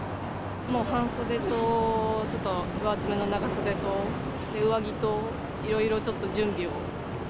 もう半袖と、ちょっと分厚めの長袖と、上着と、いろいろちょっと準備を。